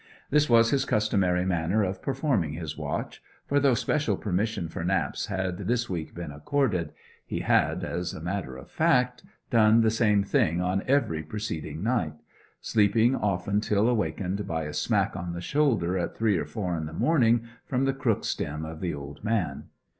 This was his customary manner of performing his watch, for though special permission for naps had this week been accorded, he had, as a matter of fact, done the same thing on every preceding night, sleeping often till awakened by a smack on the shoulder at three or four in the morning from the crook stem of the old man.